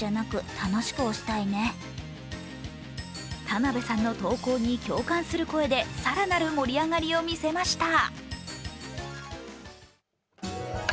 田辺さんの投稿に共感する声で更なる盛り上がりを見せました。